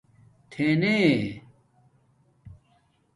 تنݵے